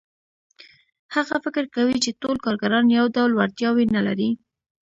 هغه فکر کوي چې ټول کارګران یو ډول وړتیاوې نه لري